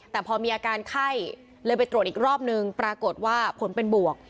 แต่พอมีอาการไข้เลยไปตรวจอีกรอบนึงปรากฏว่าผลเป็นบวก